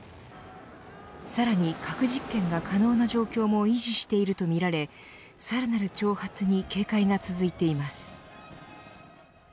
さらに核実験が可能な状況も維持しているとみられさらなる挑発に警戒が続いています。